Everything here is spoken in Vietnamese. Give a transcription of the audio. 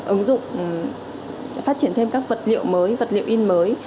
ứng dụng phát triển thêm các vật liệu mới vật liệu in mới